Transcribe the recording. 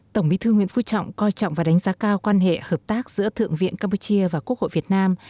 tổng bí thư nguyễn phú trọng coi trọng và đánh giá cao quan hệ hợp tác giữa thượng viện campuchia và quốc hội việt nam